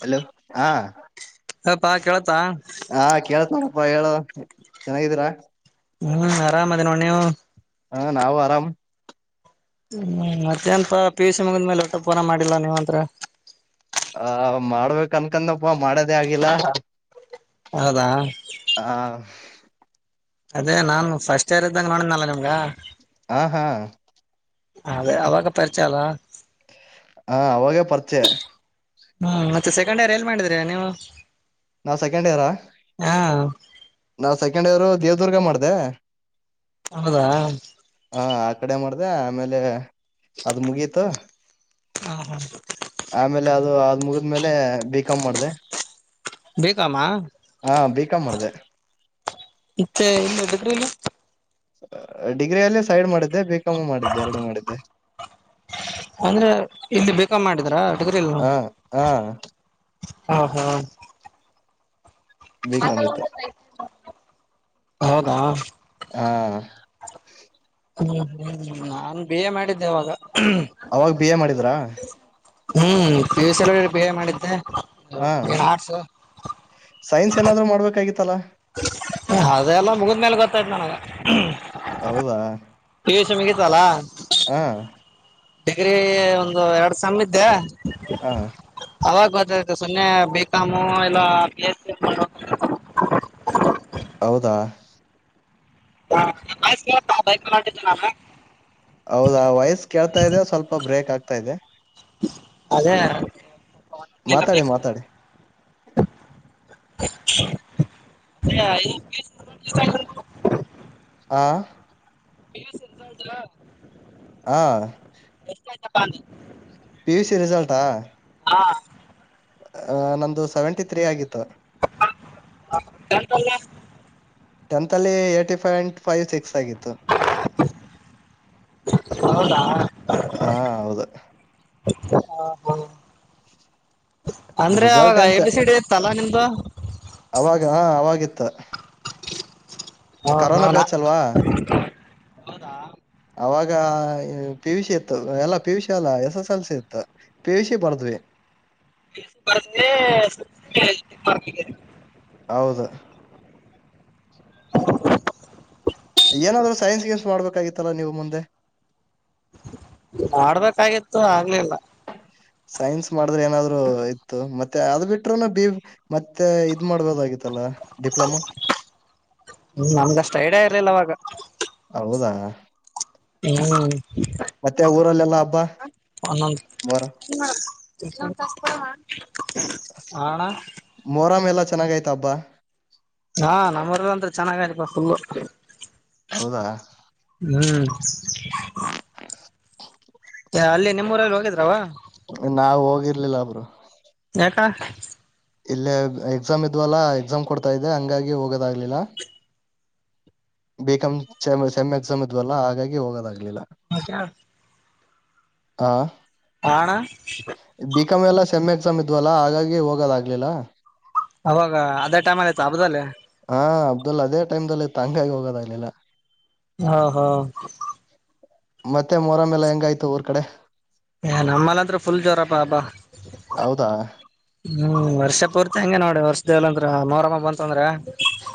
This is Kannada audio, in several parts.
ಹಲೋ ಹಾ [unintelligible] ಹಪ್ಪಾ ಕೇಳತಾ. ಹಾ ಕೇಳ್ತಾರಪ್ಪಾ ಹೇಳ ಚೆನ್ನಾಗಿದೀರಾ [unintelligible] ಹ್ಮ್ ಆರಾಮದೇ ನೋ ನೀವು ಹಾ ನಾವು ಆರಾಮ್ ಹ್ಮ್ ಮತ್ತೇನ್ಪ ಪಿ ಯು ಸಿ ಮುಗದ ಮೇಲೆ ಹೊಟ ಪೋನ ಮಾಡಿಲ್ಲ ನೀವಂತ್ರ ಆ ಮಾಡ್ಬೇಕಕ್ ಅನ್ಕಂದಪ್ಪ ಮಾಡದೇ ಆಗಿಲ್ಲ. ಹೌದಾ ಹಾ [unintelligible] ಅದೇ ನಾನ್ ಫಸ್ಟ್ ಏರ ಇದ್ದಂಗ ನೋಡ್ನಲ್ಲ ನಿಮ್ಗ ಹಾ ಹಾ [unintelligible] ಅದೆ ಅವಾಗ ಪರಿಚಯ ಅಲ್ಲ ಹಾ ಅವಾಗ ಪರಿಚಯ [unintelligible] ಹ್ಮ್ ಮತ್ತೆ ಸೆಕಂಡಿಯರ್ರ ಎಲ್ಲಿ ಮಾಡಿದ್ರೀ ನೀವು. ನಾವ್ ಸೆಕೆಂಡ್ ಇಯರಾ ಹಾ [unintelligible] ನಾವ್ ಸೆಕೆಂಡ್ ಇವರು ದೇವದುರ್ಗ ಮಾಡ್ದ. ಹೌದಾ ಹ ಆ ಕಡೆ ಮಾಡ್ದ ಆಮೇಲೆ ಅದು ಮುಗೀತ ಹ ಹ ಆಮೇಲೆ ಅದು ಮುಗಿದ್ಮೇಲೆ ಬಿಕಾಮ್ ಮಾಡಿದೆ ಬಿ ಕಾಮ್ ಆ ಹಾ ಬ ಕಾಮ್ ಮಾಡಿದೆ ಇತ್ತೆ ಇಲ್ಲ ಎದುಕ್ಕ್ರನು ಡಿಗ್ರಿಿಯಲ್ಲಿ ಸೈಡ್ ಮಾಡಿದ್ದೆ ಬೇಕಮ್ಮು ಮಾಡಿದ್ದೆ ಎರಡು ಮಾಡಿದ್ದೆ ಅಂದ್ರೆ ಇಲ್ಲಿ ಬೇಕಾ ಮಾಡಿದ್ರಾ ಟಗರಿಲ್ಲ ಹ ಹಾ ಹ್ಮ ಹ್ಮ ವ ಕ ಮತ್ರ ಹೌದಾ ಹಾ ಹ್ಮ್ ಹ್ಮ್ ನಾನ್ ಬಿ ಎ ಮಾಡಿದ್ದೆ ಅವಾಗ ಅವಾಗ ಬಿ ಎ ಮಾಡಿದ್ರಾ ಹ್ಮ್ ಫ್ಯೂಸ್ ಎಲ್ಲ ಬೇ ಮಾಡಿದ್ದೆ ಹಾ ಏನ್ ಆರ್ಟ್ಸ್ ಸೈನ್ಸ್ ಏನಾದ್ರೂ ಮಾಡ್ಬೇಕಾಗಿತ್ತಲ್ಲಾ ಅದೆಲ್ಲ ಮುಗಿದ್ಮೇಲೆ ಗೊತ್ತಾಯ್ತ ನನಗ ಹೌದಾ ಟ್ಯೂಷನ್ಗತ್ತಲಾ ಹ ಡಿಗ್ರಿ ಒಂದು ಎರಡು ಸ ಇದ್ದೆ ಹ ಅವವಾಗ ಬ ್ತು ಸೊನ್ನೆ ಬಿಕಾಮು ಇಲ್ಲ ಎಸ್ ಹೌದಾ ಹಿದ್ದ ನ [unintelligible] ಆತಾ ಇದೆ ಅದೇ ಹ ಮಾತಾಡಿ ಮಾತಾಡಿ [unintelligible] ಹಾ ಪಿ ಯು ಸಿ ಉಂತಾ ಹಾ ಜಪ್ಪಿ ಪಿ ಯು ಸಿ ರಿಸಲ್ಟಾ ಹಾ ಆಹ ನಂದು ಸೆವೆಂಟಿ ತ್ರೀ ಆಗಿತ್ತು ಗಂತಲ್ಲ ಟೆಂತ್ ಅಲ್ಲಿ ಏ್ಟಿ ಪಾಯಿಂಟ್ ಫೈವ್ ಸಿಕ್ಸ್ ಆಗಿತ್ತು ಹೌದಾ ಹಾ ಹೌದು ಹಾ ಹಾ ಅಂದ್ರೆ ರಿಸಲ್ಟ್ ಅವಾಗ ಏನ್ಸ ಎಲ್ಲಿ ಸೀಡ್ ಇತ್ತಲಾ ನಿಮ್ದು ತ್ತ ಹಾ ಹಾ ಕರೋನಾ ನಾ ಬ್ಯಾಚ್ ಅಲ್ವಾ ಅವಾಗ ಆಗ ಪಿ ಯು ಸಿಿ ಇತ್ತು ಎಲ್ಲ ಪಿ ಯುಷಿ ಎಲ್ಲ ಎಸ್ ಎಸ್ ಎಲ್ ಸಿ ಇತ್ತು ಪಿ ಯುಶಿ ಬರ್ದ್ವಿ ಬ [unintelligible] ಹೌದು ಏನಾದ್ೂ ಸೈನ್ಸ್ ಗೇಮ್ಸ್ ಮಾಡ್ಬೇಕಾಗಿತ್ತಲ್ಲ ನೀವು ಮುಂದೆ ಮಾಡಡ್ಬೇಕಾಗಿತ್ತು ಆಗ್ಲಿಲ್ಲ ಸೈನ್ಸ್ ಮಾಡಿದ್ರೆ ಏನಾದ್ರು ಇತ್ತು ಮತ್ತೆ ಅದ ಬಿಟರುೂನು ಬಿ ಮತ್ತೆ ಇದ್ ಮಾಡ್ಬೋದಾಗಿತ್ತಲ್ಲ ಡಿಪ್ಲೊಮಾ ಲ್ಲವಾಗ ಹೌದಾ ಹ್ಮ ಮತ್ತೆ ಊರಲ್ಲೆಲ್ಲ ಹಬ್ಬಾ ಮರ ಹ ಅಣ್ಣ ಮೊರಾಮ್ ಎಲ್ಲಾ ಚೆನ್ನಾಗಯ್ತ ಹಬ್ಬಾ ಹಾ ನಮ್ಮರ್ಂದ ಚೆನ್ನಾಗಪಾ ಫುಲ್ಲು ಹೌದಾ [unintelligible] ಅಲ್ಲಿ ನಿಮ್ಮೂರಲ್ಲಿ ಹೋಗಿದ್ರವ ನಾವ್ ಹೋಗಿರ್ಲಿಲ್ಲ ಬ್ರೋ ಯಕ್ಕ ಇಲ್ಲ ಎಕ್ಸಾಮ್ ಇದ್ವಲ್ಲಾ ಎಕ್ಸಾಮ್ ಕೊಡ್ತಾ ಇದೆ ಹಂಗಾಗಿ ಹೋಗೋದಾಗ್ಲಿಲ್ಲ ಬಿಕಮ್ ಚ ಸೇಮ್ ಎಕ್ಸಮ್ ಇದ್ವಲ್ಲ ಹಾಗಾಗಿ ಹೋಗೋದ ಆಗಿಲ್ಲ ಹ ಕಾರ ಹಾ ಆ ಅಣ್ಣ ಕಮ್ಮಿ ಎಲ್ಲ ಸೆಮ್ಮ ಎಕ್ಸಾಮ್ ಇದ್ವಲ್ಲ ಹಾಗಾಗಿ ಹೋಗೋದಾಗಗ್ಲಿಲ್ಲ ಅವಾಗ ಅದೇ ಟೈಮ್ ಅಲ್ಲಿ ಆತ ಹಬ್ದಲ್ಲ ಹಾ ಅಬ್ದುಲ್ಲ ಅದೇ ಟೈಮ್ಲ್ಲಿ ತಂಗಾಗಿ ಹೋಗೋದಾಗ್ಲಿಲ್ಲ ಹಾ ಹಾ ಮತ್ತೆ ಮೊಹರಂ ಹೆಲ್ಲ ಹೆಂಗಯ್ತು ಊರ್ ಕಡೆ ಹ ನಮ್ಮಲ್ಲಂದ್ರೂ ಫುಲ್ ಜ್ವರ ಬಾ ಹಬ್ಬಾ ಹೌದಾ ಹ್ಮ್ ವರ್ಷ ಪೂರ್ತಿ ಹಂಗೆ ನೋಡಿ ವರ್ಷದಲ್ಲಂದ್ರ ಮೋರಮ್ಮ ಬಂತ ಅಂದ್ರೆ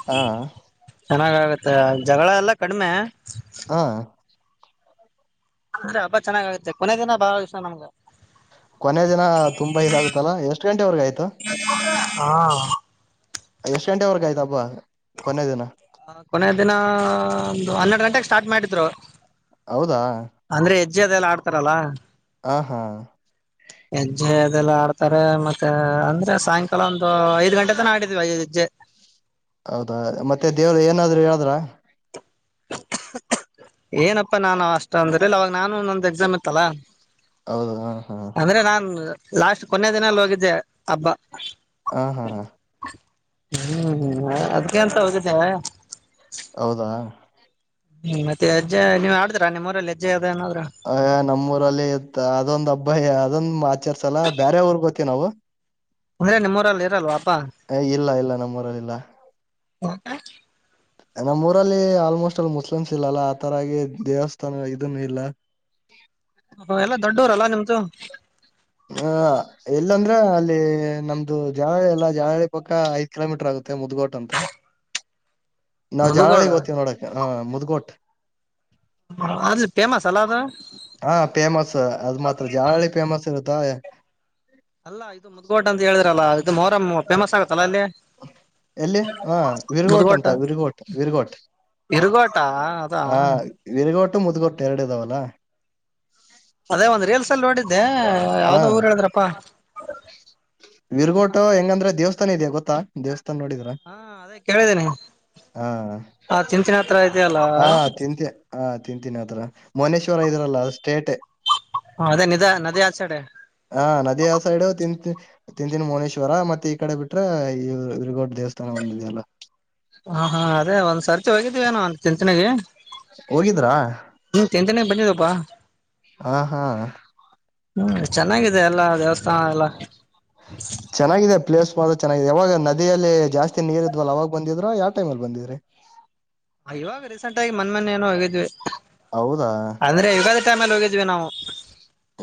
ಹಾ ಚೆನ್ನಾಗ ಆಗತ್ತೆ ಜಗಳ ಎಲ್ಲಾ ಕಡಿಮೆ ಹಾ ಅಂದ್ರೆ ಹಬ್ಬ ಚೆನ್ನಾಗಗತ್ತೆ ಕೊನೆ ದಿನ ಬಹಳ ವಿಷ ನಮ್ಗ ಕೊನೆಯ ದಿನ ತುಂಬಾ ಇದಾಗತಲ್ಲಾ ಎಷ್ಟ ಗಂಟೆವರೆಗ ಆಯ್ತು ಎಷ್ಟ ಗಂಟೆವರೆಗ ಆಯ್ತ ಹಬ್ಬ ಕೊನೆ ದಿನ ಕೊನೆಯ ದಿನ ಒಂದು ಹನ್ನೆರಡು ಗಂಟೆಗೆ ಸ್ಟಾರ್ಟ್ ಮಾಡಿದ್ರು ಹೌದಾ ಅಜ್ಜ ಅದೆ ಎಲ್ಲ ಆಡ್ತಾರಲ್ಲಾ ಹ ಹಾ ಹೆಜ್ಜೆ ಅದೆಲ್ಲ ಆಡ್ತಾರೆ ಮತ್ತೆ ಅಂದ್ರೆ ಸಾಯಂಕಾಲ ಒಂದು ಐದ್ ಗಂಟೆ ತನ ಆಡಿದ್ವಿ ಹೆಜ್ಜೆ ಹೌದಾ ಮತ್ತೆ ದೇವರು ಏನಾದ್ರು ಹೇಳದ್ರ ಏನಪ್ಪಾ ನಾನು ಅಷ್ಟ ಅಂದ್ರೆ ಇಲ್ಲ ಅವಾಗ ನಾನು ಒಂದೊಂದು ಎಕ್ಸಾಮ್ ಇತ್ತಲ್ಲ ಹೌದು ಹಾ ಹಾ ಲಾಸ್ಟ್ ಕೊನೆಯ ದಿನಲ್ಲ ಹೋಗಿದ್ದೆ ಹಬ್ಬ ಹಾ ಹಾ ಹ್ಮ್್ಮ ಅದ್ಕ ಅಂತ ಹೋಗಿದೆ ಹೌದಾ ಹ್ಮ್ ಮತ್ತೆಜ್ಜ ನೀವು ಆಡ್ರ ನಿಮ್ಮರಲ್ಲಿ ಅಜ್ಜಾ ಅಯ ನಮ್ಮೂಊರಲ್ಲಿ ಇತ್ತ ಅದೊಂದ ಹಬ್ಬಾಯ ಅದೊಂದ್ [unintelligible] ಬೇರ ಊರಗ್ ಹೋಗತ್ತೀವಿ ನಾವು [unintelligible] ನಿಮ್ಮ್ಊರಲ್ಲಿ ಇರಲ್ವಾ ಹಬ್ಬ ಇಲ್ಲ ಇಲ್ಲ ನಮ್ಮೂಊರಲ್ಲಿ ಇಲ್ಲ ಹ ನಮ್ಮೂಊರಲ್ಲಿ ಆಲ್ಮೋಸ್ಟ್ ಅಲ್ಲಿ ಮುಸ್ಲಿಮ್ಸ್ ಇಲ್ಲಲ್ಲ ಆ ತರಗ ದೇವಸ್ಥಾನ ಇದನು ಇಲ್ಲ [inaudible] ಹ ಎಲ್ಲಾ ದೊಡ್ಡವರಲ್ಲಾ ನಿಮ್ದು ಹ ಎಲ್ಲಂದ್ರೆ ಅಲ್ಲಿ ನಮ್ದು ಜಾವಳಿ ಎಲ್ಲಾ ಜಾವಳಿ ಪಕ್ಕ ಐದ್ ಕಿಲೋಮೀಟರ್ ಆಗ ಮತ್ತ ಮುದ್ಗೋಟ್ ಅಂತ ನಾವು ಮುದಗೋಡು ಜಾನಳಿಗೆ ೋಗ್ತೀವಿ ನೋಡಕ ಹ ಮುದ್ಗೋಟ್ ಅಲ್ಲಿ ಫೇಮಸ್ ಅಲ್ಲ ಅದು ಹಾ ಫೇಮಸ್ ಅದು ಮಾತ್ರ ಜಳಳಿ ಫೇಮಸ್ ಇರುತ್ತೆ ದ ಅಲ್ಲಾ ಇದು ಮುದ್ಗೋಡ್ ಅಂತ ಹೇಳಿದ್ರಲ್ಲಾ ಇದು ಮೋರಂ ಫೇಮಸ್ ಆಗತ್ತಲ್ಲ ಅಲ್ಲಿ ಎಲ್ಲಿ ಹ ವಿರ್ಗೋಟ್ ಮುದ್ಗೋಟ ಅಂತ ವಿರ್ಗೋಟ್ ವಿರ್ಗೋಟ್ ಇರುಗೋಟ ಅದಾ ಹಾ ವಿರ್ಗೋಟ್ಟು ಮುದ್ಗೋಟ್ಟು ಎರಡು ಇದಾವಲ್ಲಾ ಅದೇ ಒಂದ್ ರೀಲ್ಸ್ ನೋಡಿದ್ದೆ, ಹಾ ಯಾವ್ದೋ ಊರ್ ಹೇಳಿದ್ರಪ್ಪಾ ವಿರ್ಗೋಟ ಹೆಂಗಂದ್ರೆ ದೇವಸ್ಥಾ ದೇವಸ್ಥಾನ ಇದೇ ಗೊತ್ತಾ ದೇವಸ್ಥಾನ ನೋಡಿದ್ರ ಹಾ ಅದೇ ಕೇಳಿದ್ದೀನಿ ಹಾ ಆ ಚಿಂಚಿನ ಹತ್ರ ಇದೆಯಲ್ಲ ಹಾ ತಿಂತಯಾ ಹಾ ತಿಂತೀನಿದರ ಮೌನೇಶ್ವರ ಇದಾರಲಾ ಅದರ್ ಸ್ಟೇಟೆ ಹ ಅದೇ ನಿಧ ನದಿ ಆ ಸೈಡ ಹಾ ನದಿಯ ಸೈಡು ತಿಂತ ತಿಂತನ್ ಮೌನೇಶ್ವರ ಮತ್ತೆ ಈ ಕಡೆ ಬಿಟ್ರೆ ರ್ಗೋಡ್ ದೇವಸ್ಥಾನ ಒಂದಿದೆಯ ಅಲ್ಲಾ ಹಾ ಹಾ ಅದೇ ಒಂದ್ಸರ್ತಿ ಹೋಗಿದ್ದೀವ ಏನೋ ತಿಂಥಣಿಗಿ. ಹೋಗಿದ್ರಾ [unintelligible] ಹಾ ಹಾ ಹ್ಮ ಚೆನ್ನಾಗಿದೆ ಎಲ್ಲಾ ದೇವಸ್ಥಾನ ಎಲ್ಲಾ ಚೆನ್ನಾಗಿದೆ ಪ್ಲೇಸ್ ಬಹಳ ಚೆನ್ನಾಗಿದೆ ಯಾವಾಗ ನ ನದಿಯಲ್ಲಿ ಜಾಸ್ತಿ ನೀರ್ ಇದ್ವಲ್ಲ ಅವಾಗ್ ಬಂದಿದ್ರು ಯಾವ ಟೈಮ್ ಅಲ್ಲಿ ಬಂದಿದ್ರಿ. ಇವಾಗ ರೀಸೆಂಟ್ ಆಗಿ ಮೋನ್ ಮೊನೆ ಏನೋ ಹೋಗಿದ್ವಿ ಅಂದ್ರೆ ಯುಗಾದಿ ಟೈಮಲ್ಲಿ ಹೋಗಿದ್ವಿ ನಾವು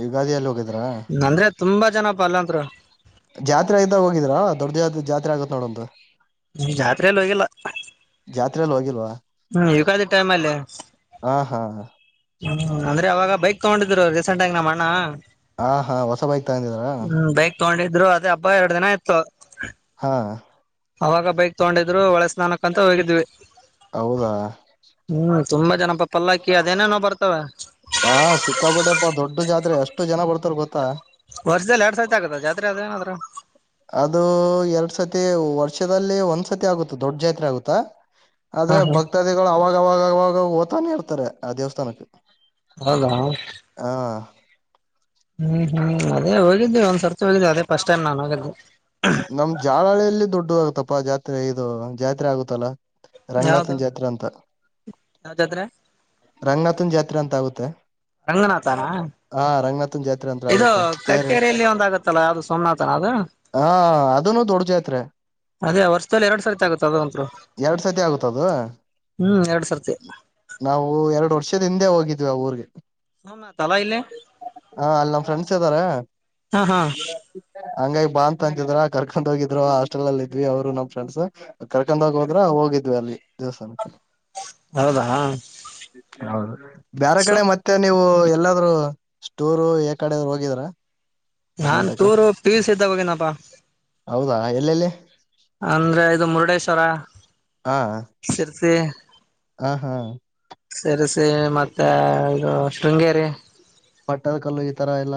ಯುಗಾದಿ ಅಲ್ಲಿ ಹೋಗಿದ್ರಾ ಅಂದ್ರೆ ತುಂಬಾ ಜನ ಅಲ್ಲಂತ್ರು ಜಾತ್ರೆ ಆಯತ ಹೋಗಿದ್ರಾ ದೊಡ್ಡ ಜಾತ್ರೆ, ಜಾತ್ರೆ ಆಗತ್ ನೋಡಂತ ಜಾತ್ರೆ ಎಲ್ ಹೋಗಿಲ್ಲ ಜಾತ್ರೆಯಲ್ಲಿ ಹೋಗಿಲ್ವಾ ಯುಗಾದಿ ಟೈಮಲ್ಲಿ ಹಾ ಹಾ ಅಂದ್ರೆ ಅವಾಗ ಬೈಕ್ ತಗೊಂಡಿದ್ರು ರೀಸೆಂಟ್ ಆಗಿ ನಮ್ಮ ಅಣ್ಣಾ ಹಾ ಹಾ ಹೊಸ ಬೈಕ್ ತಗಂದಿದ್ರ ಹ್ಮ್ ಬೈಕ್ ತಗೊಂಡಿದ್ರು ಅದೇ ಹಬ್ಬ ಎರಡು ದಿನ ಇತ್ತು ಹಾ ಅವಾಗ ಬೈಕ್ ತಗೊಂಡಿದ್ರು ಹೋಳೆ ಸ್ನಾನಕ್ಕ ಅಂತ ಹೋಗಿದ್ವಿ ಹೌದಾ ಹ್ಮ್ ತುಂಬಾ ಜನಪ್ಪ ಪಲ್ಲಾಕ್ಕಿ ಅದೇನೇನೋ ಬರ್ತಾವ ಹಾ ಸಿಕ್ಕಾಪಟ್ಟೆ ಪ್ಪು ದೊಡ್ಡ ಜಾತ್ರೆ ಎಷ್ಟು ಜನ ಬರ್ತಾರ ಗೊತ್ತಾ ವರ್ಷದಲ್ಲಿ ಎರಡ್ ಸಾರತಿ ಆಗತ್ತ ಜಾತ್ರೆ ಆದ ಏನಾದ್ರ ಅದು ಎರಡ್ ಸತಿ ವರ್ಷದಲ್ಲಿ ಒಂದ್ಸತಿ ಆಗುತ್ತಾ ದೊಡ್ ಜಾತ್ರೆ ಆಗುತ್ತ ಹಾ ಆದ್ರೆ ಹಾ ಭಕ್ತಾದಿಗಳು ಅವಾಗಾಗ ಅವಾಗ ಹೋಗತ್ತಾನೆ ಇರತ್ತಾರೆ ಆ ದೇವಸ್ಥಾನಕ್ ಹೌದಾ ಹ್ಮ್ ಹ್ಮ್ ಅದೇ ಹೋಗಿದ್ದವಿ ಒಂದ್ಸರ್ತ ಹೋಗಿದ್ದು ಅದೇ ಫಸ್ಟ್ ಟೈಮ್ ನಾನ್ ಹೋಗಿದ್ದೆ ನಮ್ ಜಾಲಹಳ್ಳಿಯಲ್ಲಿ ದೊಡ್ಡು ಆಗತಪ್ಪಾ ಜಾತ್ರೆ ಇದು ಜಾತ್ರೆ ಆಗತ್ತಲ್ಲಾ ಯಾವ್ದು ರಂಗನಾಥನ್ ಜಾತ್ರೆ ಅಂತ ಯಾವ ಜಾತ್ರೆ ರಂಗನಾಥನ್ ಜಾತ್ರೆ ಅಂತ ಆಗುತ್ತೆ ರಂಗನಾಥಾನ ಹಾ ರಂಗನಾಥನ್ ಜಾತ್ರೆ ಅಂತ ಇದು ಆಗುತ್ತೆ ತೇರ್ ಎಳ್- ಕಕ್ಕೇರಿಲ್ಲಿ ಒಂದಾಗತ್ತಲ್ಲ ಅದು ಸೋಮನಾಥನ ಅದು ಹಾ ಅದನ್ನು ದೊಡ್ಡ ಜಾತ್ರೆ ಅದೇ ವರ್ಷದಲ್ಲಿ ಎರಡು ಸರ್ತಿ ಆಗುತ್ತ ಅದು ಅಂತರು ಎರಡ್ ಸತಿ ಆಗುತ್ತ ಅದು ಹ್ಮ್ ಎರಡ್ ಸರ್ತಿ ಎರಡು ವರ್ಷದ ಹಿಂದೆ ಹೋಗಿದ್ವಿ ಆ ಊರ್ಗೆ ಹ ತಲಾ ಇಲ್ಲೇ ಹಾ ಅಲ್ಲಿ ನಮ ಫ್ರೆಂಡ್ಸ್ ಇದ್ದಾರೆ ಹಾ ಹಾ ಹಂಗಾಗಿ ಬಾ ಅಂತ ಅಂತಿದ್ರ ಕರ್ಕ ಕರ್ಕೊಂಡ್ ಹೋಗಿದ್ರು ಹಾಸ್ಟೆಲ್ ಅಲ್ಲಿ ಇದ್ವಿ ಅವರು ನಮ್ ಫ್ರೆಂಡ್ಸ್ ಕರ್ಕೊಂಡ್ ಹೋಗ ಹೋದ್ರು ಹೋಗಿದ್ವಿ ಅಲ್ಲಿ ದೇವಸ್ಥಾನಕ್ಕ ಹೌದಾ ಹೌದು ಬೇರೆ ಸೊ ಕಡೆ ಮತ್ತೆ ನೀವು ಎಲ್ಲಾದ್ರೂ ಸ್ಟೂರು ಯ ಕಡೆ್ರರು ಹೋಗಿದ್ರ ನಾನ್ Karnataka tour P U C ಇದ್ದಾಗ ಹೋಗಿನಪ್ಪಾ ಹೌದಾ ಎಲ್ಲೆಲ್ಲಿ ಅಂದ್ರೆ ಇದು ಮುರುಡೇಶ್ವರ ಸಿರ್ಸಿ ಹಾ ಹಾ ಸೇರಸಿ ಮತ್ತೆ ಇದು ಶೃಂಗೇರಿ ಪಟ್ಟದ ಕಲ್ಲು ಈ ತರ ಎಲ್ಲ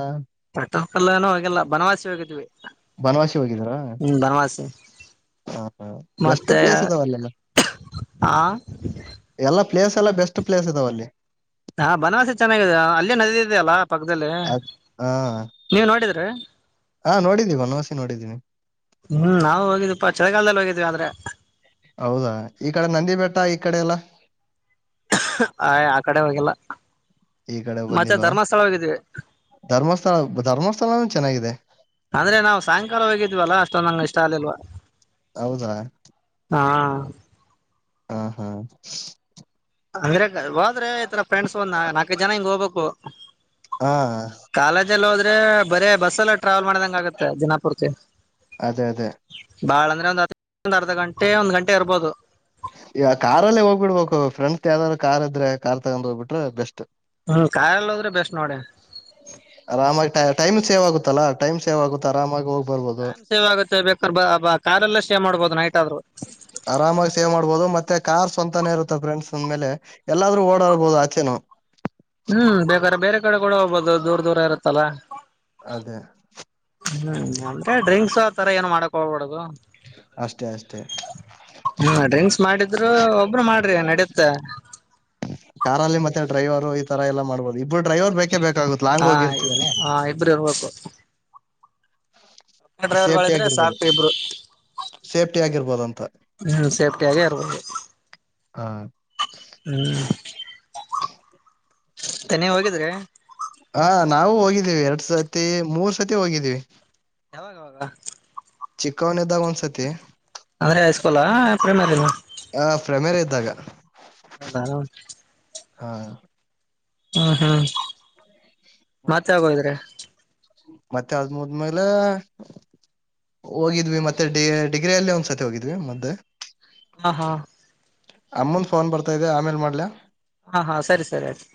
ಕಟ ಕಲ್ಲನೂ ಹೋಗಲ್ಲ ಬನವಾಸಿ ಹೋಗಿದ್ವಿ ಬನವಾಸಿ ಹೋಗಿದೀರಾ ಹ್ಮ್ ಬನವಾಸಿ ಹ ಬೆಸ್ಟ್ ಮತ್ತೆ ಪ್ಲೇಸ್ ಇದಾವಲ್ಲ ಆ ಎಲ್ಲ ಪ್ಲೇಸ್ ಎಲ್ಲ ಬೆಸ್ಟ್ ಪ್ಲೇಸ್ ಇದಾವ ಅಲ್ಲಿ ಹಾ ಬನವಾಸೆ ಚೆನ್ನಾಗಾಗಿದೆ ಅಲ್ಲೇ ನದದ ಇದೆಯಲ್ಲಾ ಪಕ್ಕದಲ್ಲಿ ಅದ್ ಹಾ ನೀವ ನೋಡಿದ್ರ ಹಾ ನೋಡಿದೀವಿ ವನವಾಸಿ ನೋಡಿದೀನಿ ಹ್ಮ [inaudible] ನಾ ಹೋಗ ಚಳಗಾಲದಲ್ಲಿ ಹೋಗಿದ್ವಿ ಆದಂದ್ರೆ ಹೌದಾ ಈ ಕಡೆ ನಂದಿ ಬೆಟ್ಟ ಈ ಕಡೆ ಎಲ್ಲ ಆಯ್ ಆ ಕಡೆ ಹೋಗಲ್ಲ ಈ ಕಡೆ ಬಂದಿಲ್ವಾ ಧರ್ಮಸ್ಥಳ ಧರ್ಮಸ್ಥಳ ಚೆನ್ನಾಗಿದೆ ಅಂದ್ರೆ ನಾವು ಸಾಯಂಕಾಲ ಹೋಗಿದ್ವಲ್ಲ ಅಷ್ಟೊ ನಂಗ ಇಷ್ಟ ಆಗ್ಲ್ವ ಹೌದಾ ಹ ಹಾ ಹಾ ಅರ ಹೋದ್ರೆತರ ಫ್ರೆಂಡ್ಸ್ ಒಂದ್ ನಾಲ್ಕು ಜನ ಹಿಂಗ್ ಹೋಗ್ಬೇಕು ಹಾ ಲ್ಲ ಹೋದ್ರೆ ಬೇ ಬಸ್ ಎಲ್ಲ ಟ್ರಾವೆಲ್ ಮಾಡದಂಗ ಆಗುತ್ತೆ ದಿನಾಪುರ್ಕ್ಕೆ ಅದೇ ಅದೇ ಬಾಳ ಅಂದ್ರೆ ಒಂದ ಒಂದ ಅರ್ಧ ಗಂಟೆ ಒಂದ್ ಗಂಟೆ ಇರ್ಬೋದು ಈಗ ಕಾರಾರ್ಲ್ಲೇ ಹೋಗ್ಬಿಡ್ಬೇಕು ಫ್ರೆಂಡ್ ಯಾವ್ದಾದಾರರು ಕಾರ್ ಇದ್ರೆ ಕಾರ್ ತಗೊಂಡ್ ಹೋಗ್ಬಿಟ್ರೆ ಬೆಸ್ಟ್ ಹ್ಮ್ ಕಾಯಲ್ಲ ಹದ್ರೆ ಬೆಸ್ಟ್ ನೋಡ ಆರಾಮಾಗಿ ಟೈಮ್ ಸೇವ್ ಆಗುತ್ತಲ್ಲಾ ಟೈಮ್ ಸೇವ್ ಆಗುತ್ತಾ ಆರಾಮಾಗಿ ಹೋಗ ಟೈಮ್ ಸೇವ್ ಆಗುತ್ತೆ ಬೇಕ್ರ ಬ ಕೆಲ್ಲ ಸೇವ್ ಮಾಡ್ಬೋದು ನೈಟ್ ಆದ್ರು ಆರಾಮಾಗಿ ಸೇವ್ ಮಾಡ್ಬೋದು ಮತ್ತೆ ಕಾರ್ ಸ್ವಂತನೇ ಇರುತ್ತೆ ಫ್ರೆಂಡ್ಸ್ ಅಂದ ಮೇಲೆ ಎಲ್ಲಾದ್ರೂ ಓಡಾಡ್ಬಹುದು ಆಚೆನು ಹ್ಮ್ ಬೇಕಾದ್ರ ಬೇರೆ ಕಡೆ ಕೂಡ ಹೋಗ್ಬೋದು ದೂರ ದೂರ ಇರತ್ತಲ್ಲಾ ಅದೇ ಹ್ಮ್ ಅೆ ಡ್ರಿಂಕ್ಸ್ ಆ ತರ ಏನು ಮಾಡಕ ಹಳ್ಬಿಡದು ಅಷ್ಟೇ ಅಷ್ಟೇ ಹ್ಮ ಡ್ರಿಂಕ್ಸ್ ಮಾಡಿದ್ರು ಒಬರು ಮಾಡ ರಿ ನಡುತ್ತಾ ಕಾರಲ್ಲಿ ಮತ್ತೆ ಡ್ರೈವರು ಈ ತರ ಎಲ್ಲಾ ಮಾಡ್ಬೋದು ಇಬ್ಬರು ಡ್ರೈವರ್ ಬೇಕೇ ಬೇಕಾಗುತ್ತ ಲಾಂಗ್ ಹಾ ಹೋಗಿರ್ತವಲ್ಲ ಹಾ ಇಬ್ರು ಇರ್ಬೇಕು ಡ್ರೈವರ್ಗಳಿದ್ರೆ ಸಾಕು ಇಬ್ರು ಸೇಫ್ಟಿ ಆಗಿರ್ಬೋದು ಅಂತ ಹ್ಮ್ ಸೇಫ್ಟಿ ಆಾರದು ಹಾ [unintelligible] ಹಾ ನಾವು ಹೋಗಿದ್ದೀವಿ ಎರಡ್ ಸತಿ ಮೂರ್ ಸತಿ ಹೋಗಿದ್ದೀವಿ ಯಾವಾಗಾವಾಗ ಚಿಕ್ಕವನ್ದಾಗ ಒಂದ್ಸತಿ ಅಂದ್ರೆ ಹಸ್ಕೂಲ ಪ್ರೇಮದಿನ ಂತಾಗ ಹೌದಾ ಹ ಹಾ ಹ್ಮ್ ಹ್ಮ್ ಮತ್ತೆ ಆಗೋಿದ್ರೆ. ದ ಮುದ್ಮೇಲೆ. ಹೋಗಿದ್ವಿ ಮತ್ತೆ ಡಿ ಡಿಗ್ರಿಿಯಲ್ಲಿ ಒಂದ್ಸತಿ ಹೋಗಿದ್ವಿ ಮದ್ದೆ. ಹಾ ಹಾ. ಅಮ್ಮಂದ್ ಫೋನ್ ಬರ್ತಾ ಇದೆ ಆಮೇಲ್ ಮಾಡ್ಲಾ. ಹಾ ಹಾ ಸರಿ ಸರಿ ಆಯ್ತು.